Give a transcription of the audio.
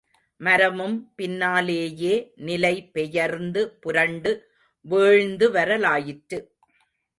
மரமும் பின்னாலேயே நிலை பெயர்ந்து புரண்டு வீழ்ந்து வரலாயிற்று.